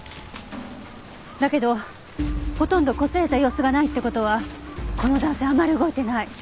だけどほとんどこすれた様子がないって事はこの男性あまり動いてない。